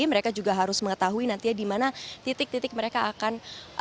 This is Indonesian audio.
mereka juga harus mengetahui nantinya di mana titik titik mereka akan